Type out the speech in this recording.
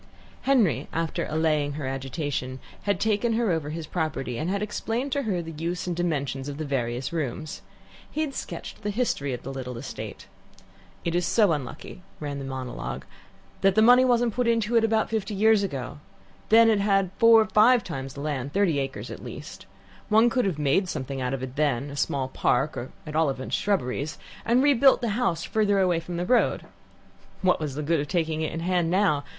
Henry, after allaying her agitation, had taken her over his property, and had explained to her the use and dimensions of the various rooms. He had sketched the history of the little estate. "It is so unlucky," ran the monologue, "that money wasn't put into it about fifty years ago. Then it had four five times the land thirty acres at least. One could have made something out of it then a small park, or at all events shrubberies, and rebuilt the house farther away from the road. What's the good of taking it in hand now?